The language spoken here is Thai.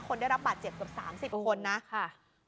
คนได้รับบาดเจ็บกว่า๓๐คนรึเปล่ง